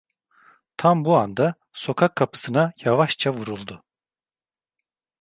Tam bu anda sokak kapısına yavaşça vuruldu.